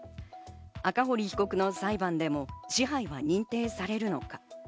赤堀被告の裁判でも支配が認定されるのか。